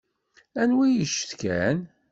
Anwa i d-yecetkan?